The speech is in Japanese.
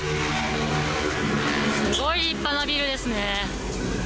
すごい立派なビルですね。